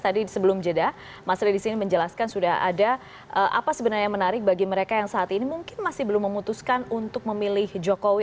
tadi sebelum jeda mas rey di sini menjelaskan sudah ada apa sebenarnya yang menarik bagi mereka yang saat ini mungkin masih belum memutuskan untuk memilih jokowi